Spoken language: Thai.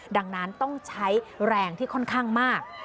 ดังนั้นต้องใช้แรงที่ค่อนข้างมาก